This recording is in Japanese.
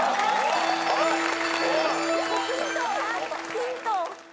ヒントは？